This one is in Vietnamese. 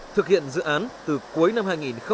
thực hiện dự án từ cuối năm hai nghìn một mươi bảy